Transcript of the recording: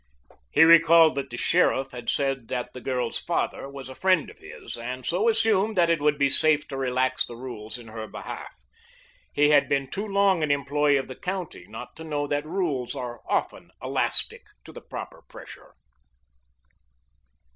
He recalled that the sheriff had said that the girl's father was a friend of his, and so assumed that it would be safe to relax the rules in her behalf. He had been too long an employee of the county not to know that rules are often elastic to the proper pressure.